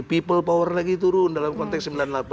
people power lagi turun dalam konteks sembilan puluh delapan